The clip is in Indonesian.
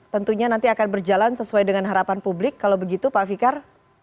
tentunya nanti akan berjalan sesuai dengan harapan publik kalau begitu pak fikar